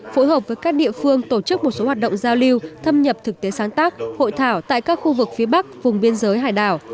phối hợp với các địa phương tổ chức một số hoạt động giao lưu thâm nhập thực tế sáng tác hội thảo tại các khu vực phía bắc vùng biên giới hải đảo